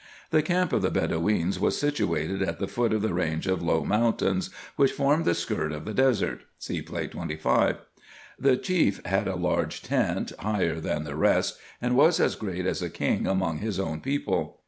The camp of the Bedoweens was situated at the foot of the range of low mountains which form the skirt of the desert (See Plate 25). The chief had a large tent, higher than the rest, and was as great as a king among his own people.